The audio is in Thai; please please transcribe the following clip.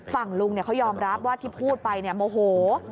ฝั่งลุงเขายอมรับว่าที่พูดไปโมโห